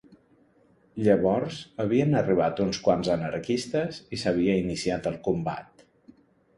Llavors havien arribat uns quants anarquistes i s'havia iniciat el combat